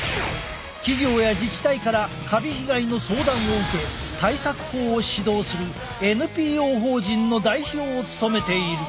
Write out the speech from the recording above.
企業や自治体からカビ被害の相談を受け対策法を指導するＮＰＯ法人の代表を務めている。